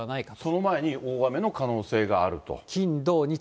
その前に大雨の可能性があると。